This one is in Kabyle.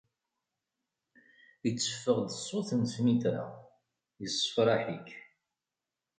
Itteffeɣ-d ṣṣut n snitra, issefraḥ-ik.